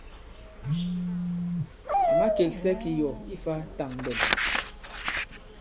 À makèksɛ kì yɔ̀ ifā tàŋɓɛn.